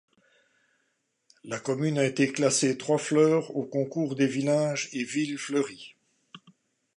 La commune a été classée trois fleurs au concours des villes et villages fleuris.